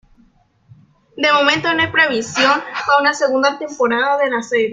De momento, no hay previsión para una segunda temporada de la serie.